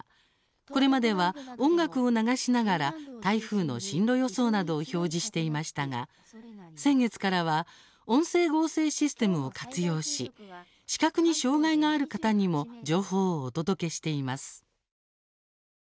これまでは音楽を流しながら台風の進路予想などを表示していましたが、先月からは音声合成システムを活用し視覚に障害がある方にも情報をお届けしています。